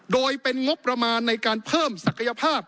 โดยเป็นงบประมาณในการเพิ่มศักยภาพ